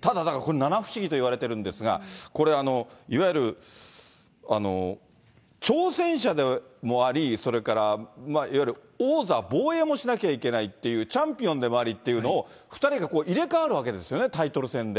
ただこの七不思議といわれているんですが、これ、いわゆる挑戦者でもあり、それからいわゆる王座防衛もしなきゃいけないっていう、チャンピオンでもありっていうのを２人が入れ替わるわけですよね、タイトル戦で。